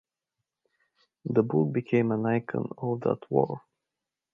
The book became an icon of that war.